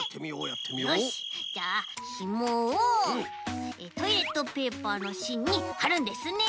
よしじゃあひもをトイレットペーパーのしんにはるんですね。